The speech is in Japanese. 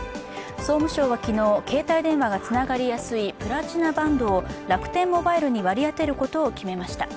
総務省は昨日、携帯電話がつながりやすいプラチナバンドを楽天モバイルに割り当てることを決めました。